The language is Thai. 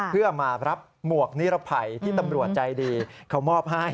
เพื่อมารับหมวกนิรภัยที่ตำรวจใจดีเขามอบให้